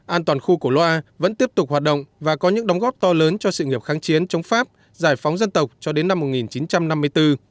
an toàn khu cổ loa vẫn tiếp tục hoạt động và có những đóng góp to lớn cho sự nghiệp kháng chiến chống pháp giải phóng dân tộc cho đến năm một nghìn chín trăm năm mươi bốn